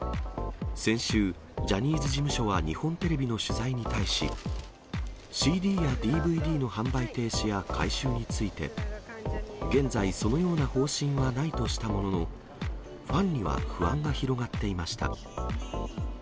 先週、ジャニーズ事務所は日本テレビの取材に対し、ＣＤやＤＶＤの販売停止や回収について、現在、そのような方針はないとしたものの、ファンには不安が広がっていました。